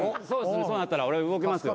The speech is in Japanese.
そうなったら俺動きますよ。